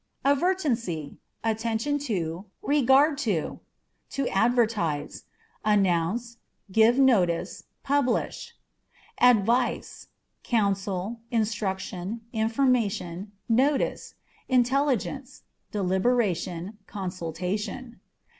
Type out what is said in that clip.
Advertency â€" attention to, regard to. To Advertise â€" announce, give notice, publish. Advice â€" counsel, instruction, information ; notice, intelligence ; deliberation, consultation.